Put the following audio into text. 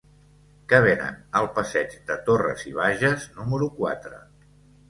Què venen al passeig de Torras i Bages número quatre?